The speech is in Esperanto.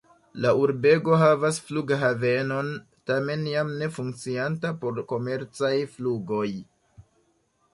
La urbego havas flughavenon, tamen jam ne funkcianta por komercaj flugoj.